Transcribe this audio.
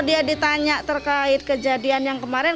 bahkan kalau dia ditanya terkait kejadian yang kemarin